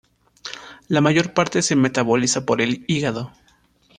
La mayor parte se metaboliza por el hígado.